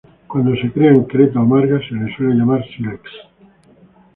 Cuando se crea en creta o marga, se le suele llamar sílex.